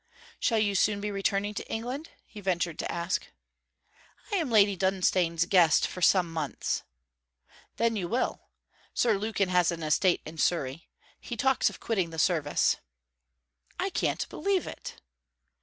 'Shall you soon be returning to England?' he ventured to ask. 'I am Lady Dunstane's guest for some months.' 'Then you will. Sir Lukin has an estate in Surrey. He talks of quitting the Service.' 'I can't believe it!'